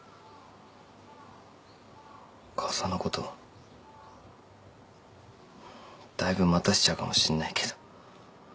母さんのことだいぶ待たせちゃうかもしんないけど。